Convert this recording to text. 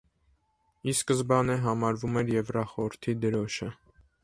Ի սկզբանե համարվում էր Եվրախորհրդի դրոշը։